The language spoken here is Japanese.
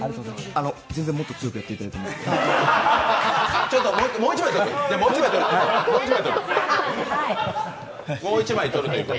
あの、全然もっと強くやっていただいても結構です。